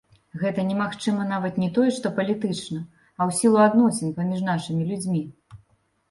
Гэта немагчыма нават не тое што палітычна, а ў сілу адносін паміж нашымі людзьмі.